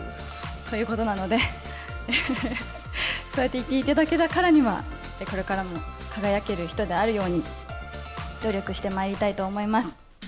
ということなので、そうやって言っていただけたからには、これからも輝ける人であるように、努力してまいりたいと思います。